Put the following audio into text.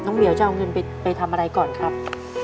เหลียวจะเอาเงินไปทำอะไรก่อนครับ